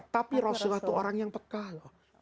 tapi rasulullah itu orang yang pekal loh